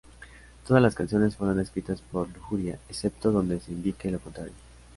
Todas las canciones fueron escritas por Lujuria, excepto donde se indique lo contrario.